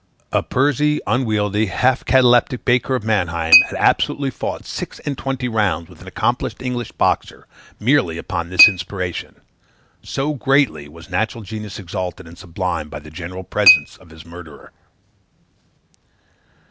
A pursy, unwieldy, half cataleptic baker of Mannheim had absolutely fought six and twenty rounds with an accomplished English boxer merely upon this inspiration; so greatly was natural genius exalted and sublimed by the genial presence of his murderer.